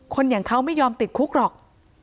อย่างเขาไม่ยอมติดคุกหรอก